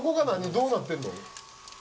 どうなってんの？